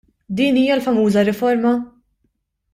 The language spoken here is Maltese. Din hija l-famuża riforma?